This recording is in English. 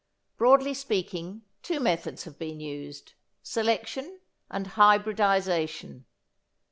Broadly speaking, two methods have been used, selection and hybridisation.